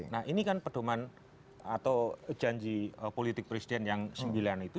nah ini kan pedoman atau janji politik presiden yang sembilan itu